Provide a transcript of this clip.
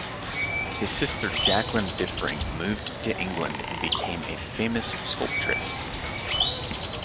His sister Jacqueline Diffring moved to England and became a famous sculptress.